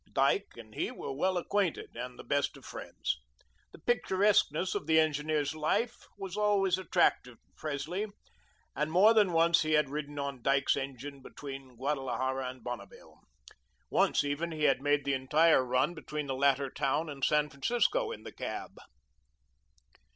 Dyke and he were well acquainted and the best of friends. The picturesqueness of the engineer's life was always attractive to Presley, and more than once he had ridden on Dyke's engine between Guadalajara and Bonneville. Once, even, he had made the entire run between the latter town and San Francisco in the cab.